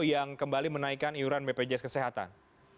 yang kembali menaikkan iuran bpjs kesehatan